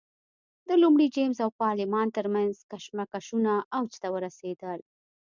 د لومړي جېمز او پارلمان ترمنځ کشمکشونه اوج ته ورسېدل.